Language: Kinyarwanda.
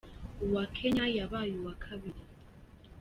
Uwa Kenya yabaye uwa kabiri.